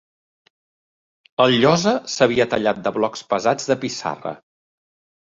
El llosa s'havia tallat de blocs pesats de pissarra.